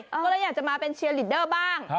ก็เลยอยากจะมาเป็นเชียร์ลีดเดอร์บ้าง